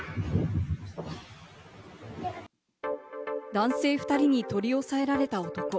男性２人に取り押さえられた男。